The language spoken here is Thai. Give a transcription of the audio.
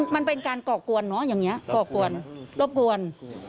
มันเป็นการก่อกวนเนอะอย่างนี้ก่อกวนรบกวน